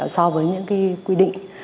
so với những quy định